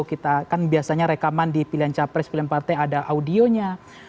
kita kan biasanya rekaman di pilihan capres pilihan partai ada audionya